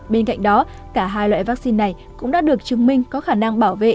bên cạnh đó cả hai loại vaccine này cũng đã được chứng minh có khả năng bảo vệ